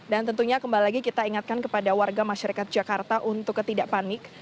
dan tentunya kembali lagi kita ingatkan kepada warga masyarakat jakarta untuk ketidak panik